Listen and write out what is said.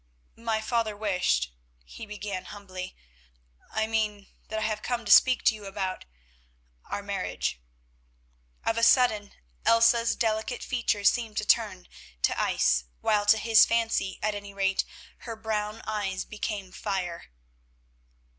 "My father wished," he began humbly—"I mean that I have come to speak to you about—our marriage." Of a sudden Elsa's delicate features seemed to turn to ice, while, to his fancy at any rate, her brown eyes became fire.